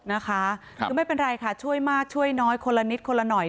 นะคะคือไม่เป็นไรค่ะช่วยมากช่วยน้อยคนละนิดคนละหน่อย